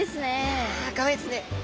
いやかわいいですね。